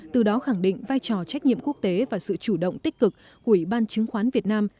từ đó khẳng định vai trò trách nhiệm quốc tế và sự chủ động tích cực của ủy ban chứng khoán việt nam